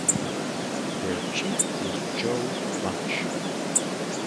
Their chief is Joe Bunch.